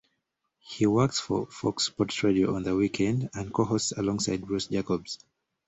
He works for Fox Sports Radio on the weekend and co-hosts alongside Bruce Jacobs.